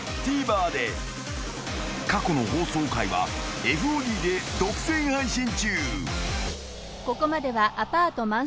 ［過去の放送回はＦＯＤで独占配信中］